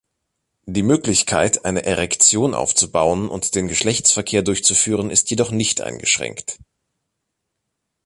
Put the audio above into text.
Die Möglichkeit eine Erektion aufzubauen und den Geschlechtsverkehr durchzuführen ist jedoch nicht eingeschränkt.